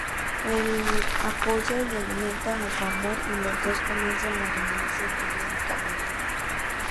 Él apoya y alienta a su amor, y los dos comienzan a reunirse periódicamente.